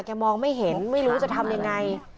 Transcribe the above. มองไม่เห็นไม่รู้จะทำยังไง